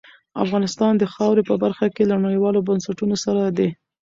افغانستان د خاورې په برخه کې له نړیوالو بنسټونو سره دی.